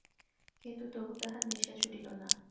কিন্তু তবু তাহার নেশা ছুটিল না।